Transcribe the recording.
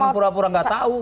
jangan pura pura tidak tahu